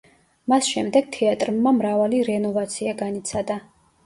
მას შემდეგ თეატრმა მრავალი რენოვაცია განიცადა.